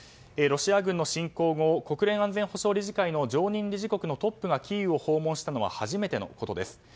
ロシア軍の侵攻後国連安全保障理事会の常任理事国のトップがキーウを訪問したのは初めてのことです。